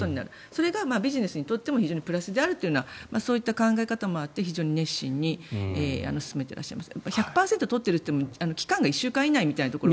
それがビジネスにとってもプラスであるというそういった考え方もあって非常に熱心に進めていらっしゃいます。